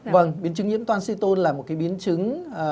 vâng biến chứng nhiễm toan xê tôn là một cái biến chứng